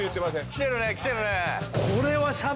きてるねきてるね。